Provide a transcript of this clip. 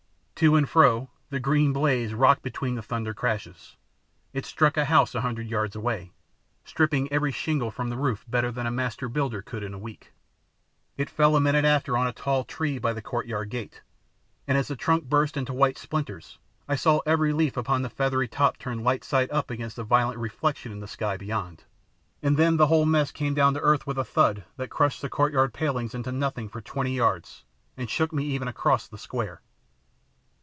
To and fro the green blaze rocked between the thunder crashes. It struck a house a hundred yards away, stripping every shingle from the roof better than a master builder could in a week. It fell a minute after on a tall tree by the courtyard gate, and as the trunk burst into white splinters I saw every leaf upon the feathery top turn light side up against the violet reflection in the sky beyond, and then the whole mass came down to earth with a thud that crushed the courtyard palings into nothing for twenty yards and shook me even across the square.